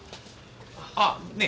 あっねえ